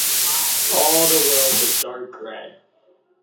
All the world was dark grey.